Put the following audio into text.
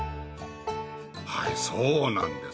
はいそうなんです。